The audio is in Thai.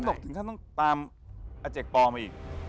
เห็นหนกถึงท่านต้องตามอาเจกปอมาอีก